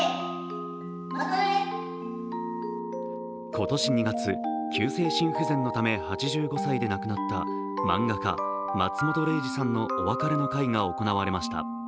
今年２月、急性心不全のため８５歳で亡くなった漫画家・松本零士さんのお別れの会が行われました。